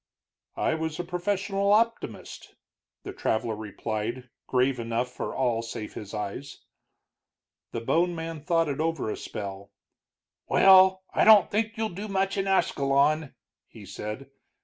"I was a professional optimist," the traveler replied, grave enough for all save his eyes. The bone man thought it over a spell. "Well, I don't think you'll do much in Ascalon," he said.